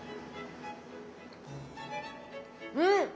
うん！